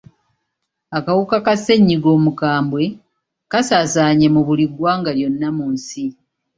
Akawuka ka ssennyiga omukambwe kasaasaanye mu buli ggwanga lyonna mu nsi.